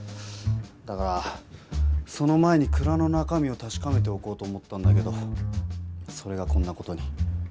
だからその前に蔵の中身をたしかめておこうと思ったんだけどそれがこんな事に。